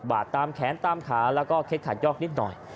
ดตามแขนตามขาแล้วก็เคล็ดขาดยอกนิดหน่อย